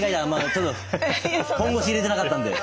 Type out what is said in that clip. ちょっと本腰入れてなかったんで。